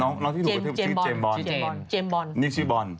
น้องที่ถูกกระทืบชื่อเจมบอน